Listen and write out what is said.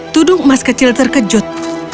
tudung emas kecil terkejut